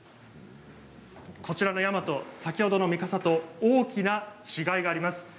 こちらの大和、先ほどの三笠と大きな違いがあります。